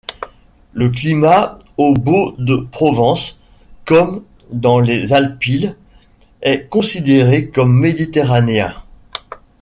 Le climat aux Baux-deProvence, comme dans les Alpilles, est considéré comme méditerranéen.